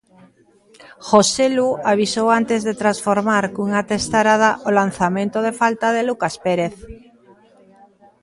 Joselu avisou antes de transformar cunha testarada o lanzamento de falta de Lucas Pérez.